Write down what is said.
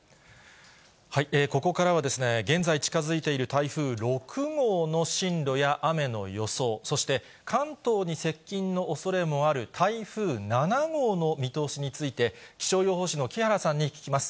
ここからは現在、近づいている台風６号の進路や雨の予想、そして関東に接近のおそれもある台風７号の見通しについて、気象予報士の木原さんに聞きます。